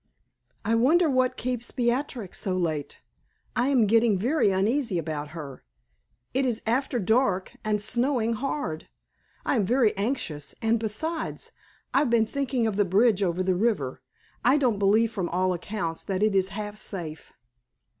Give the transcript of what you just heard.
"I wonder what keeps Beatrix so late? I am getting very uneasy about her. It is after dark, and snowing hard. I am very anxious, and besides I've been thinking of the bridge over the river. I don't believe from all accounts that it is half safe.